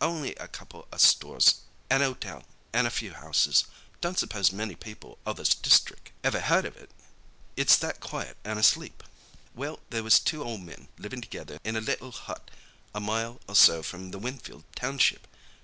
On'y a couple o' stores, an' a hotel, an' a few houses. Don't suppose many people out o' this district ever heard of it, it's that quiet an' asleep. "Well, there was two ol' men livin' together in a little hut a mile or so from the Winfield township.